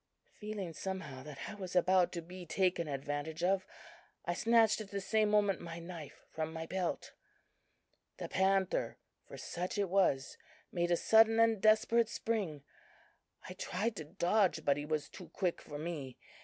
Feeling, somehow, that I was about to be taken advantage of, I snatched at the same moment my knife from my belt. "The panther (for such it was) made a sudden and desperate spring. I tried to dodge, but he was too quick for me.